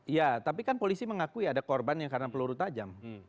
ya tapi kan polisi mengakui ada korbannya karena peluru tajam